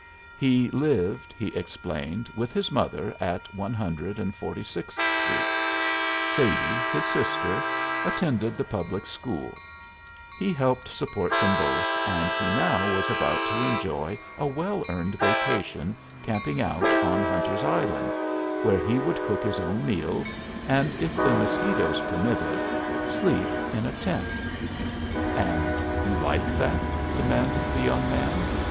He lived, he explained, with his mother at One Hundred and Forty sixth Street; Sadie, his sister, attended the public school; he helped support them both, and he now was about to enjoy a well earned vacation camping out on Hunter's Island, where he would cook his own meals and, if the mosquitoes permitted, sleep in a tent. "And you like that?" demanded the young man.